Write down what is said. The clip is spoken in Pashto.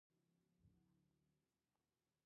افغانستان د اوښ د ساتنې لپاره قوانین لري.